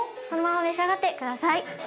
そのまま召し上がって下さい。